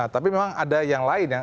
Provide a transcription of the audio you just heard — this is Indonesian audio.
tapi memang ada yang lain ya